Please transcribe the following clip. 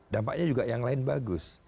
dampaknya juga yang lain bagus